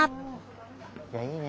いやいいね。